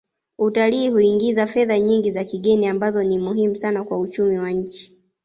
Utalii huingiza fedha nyingi za kigeni ambazo ni muhimu sana kwa uchumi wa nchi